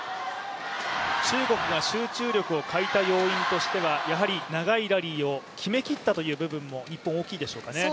中国が集中力を欠いた要因としては、長いラリーを決めきったという部分も日本、大きいでしょうかね。